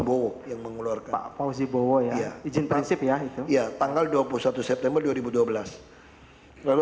bowo yang mengeluarkan pak fawzi bowo ya ijin prinsip ya iya tanggal dua puluh satu september dua ribu dua belas lalu